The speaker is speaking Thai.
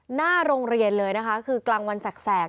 หน้าโรงเรียนเลยนะคะคือกลางวันแสก